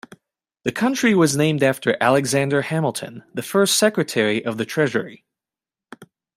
The county was named after Alexander Hamilton, the first secretary of the treasury.